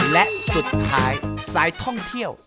และสุดท้ายสายท่องเที่ยว